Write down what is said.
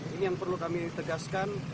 ini yang perlu kami tegaskan